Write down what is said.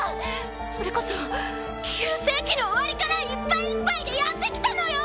それこそ旧世紀の終わりからいっぱいいっぱいでやってきたのよ！